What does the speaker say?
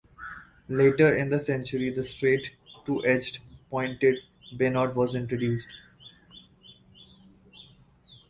Later in the century the straight, two-edged, pointed bayonet was introduced.